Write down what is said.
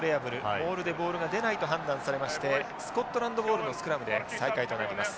モールでボールが出ないと判断されましてスコットランドボールのスクラムで再開となります。